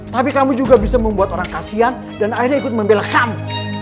tapi kamu juga bisa membuat orang kasian dan akhirnya ikut membela kamu